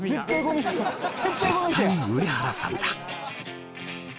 絶対上原さんだ